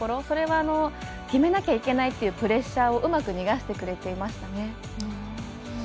それは、決めなきゃいけないっていうプレッシャーをうまく逃がしてくれていましたね。